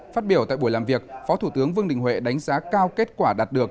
phát biểu tại buổi làm việc phó thủ tướng vương đình huệ đánh giá cao kết quả đạt được